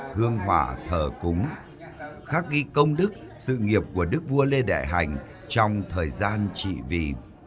hương họa thờ cúng khắc ghi công đức sự nghiệp của đức vua lê đại hành trong thời gian trị vị